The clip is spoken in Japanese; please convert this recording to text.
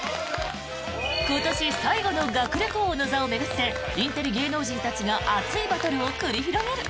今年最後の学力王の座を巡ってインテリ芸能人たちが熱いバトルを繰り広げる。